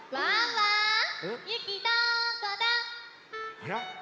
あら？